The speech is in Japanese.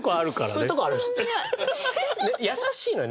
そういうとこあるでしょ。